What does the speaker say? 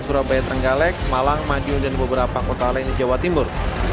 surabaya trenggalek malang madiun dan beberapa kota lain di jawa timur